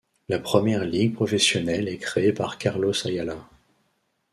La première ligue professionnelle est créée par Carlos Ayala.